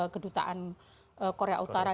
kedutaan korea utara